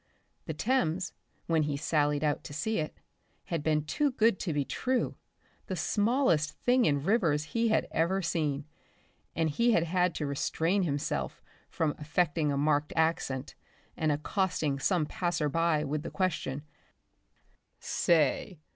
The Thames, when he sallied out to see it, had been too good to be true, the smallest thing in rivers he had ever seen, and he had had to restrain himself from affecting a marked accent and accosting some passer by with the question, "Say!